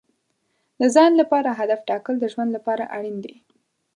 د ځان لپاره هدف ټاکل د ژوند لپاره اړین دي.